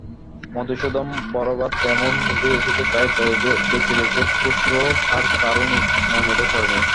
মধুসূদন বরাবর তেমনি জিতেই এসেছে– তাই বেছে বেছে খুচরো হার কারো নজরেই পড়েনি।